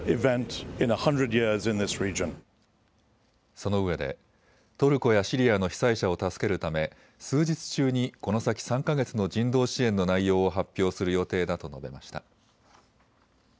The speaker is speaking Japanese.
そのうえでトルコやシリアの被災者を助けるため数日中にこの先３か月の人道支援の内容を発表する予定だと述べました。